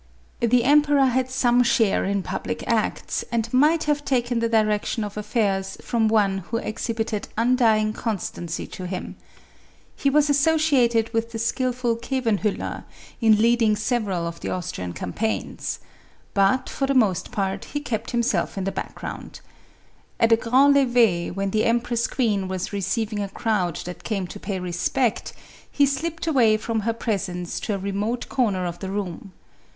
The emperor had some share in public acts, and might have taken the direction of affairs from one who exhibited undying constancy to him. He was asso ciated with the skillful Kevenhuller, in leading several of the Austrian campaigns. But, for the most part, he kept himself in the background. At a grand levee, when the empress queen was receiving a crowd that came to pay respect, he slipped away from her pres ence to a remote corner of the room.